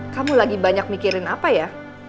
kamu lagi banyak mikirin apa ya